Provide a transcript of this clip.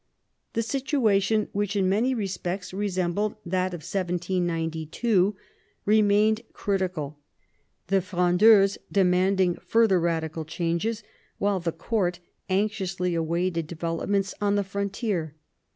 The situation, which in many respects resembled that of 1792, remained critical, the Frondeurs desiring further radical changes, while the court anxiously awaited developments on the frontier.